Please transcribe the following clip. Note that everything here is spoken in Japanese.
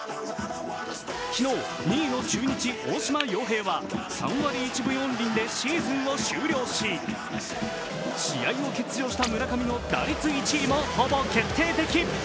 昨日、２位の中日・大島洋平は３割１分４厘でシーズンを終了し、試合を欠場した村上の打率１位もほぼ決定的。